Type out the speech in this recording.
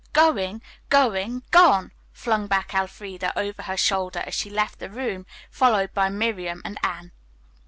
"Going, going, gone!" flung back Elfreda over her shoulder as she left the room, followed by Miriam and Anne.